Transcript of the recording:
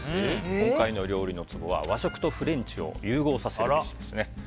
今回の料理のツボは和食とフレンチを融合させるべしです。